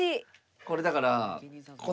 これだからこの。